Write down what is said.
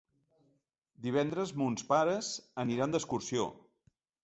Divendres mons pares aniran d'excursió.